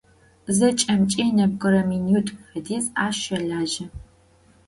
Зэкӏэмкӏи нэбгырэ минитӏу фэдиз ащ щэлажьэ.